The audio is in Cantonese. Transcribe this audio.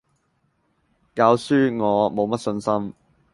教書我冇乜信心